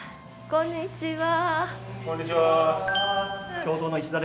こんにちは。